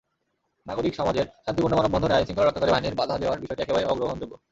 নাগরিক সমাজের শান্তিপূর্ণ মানববন্ধনে আইনশৃঙ্খলা রক্ষাকারী বাহিনীর বাধা দেওয়ার বিষয়টি একেবারেই অগ্রহণযোগ্য।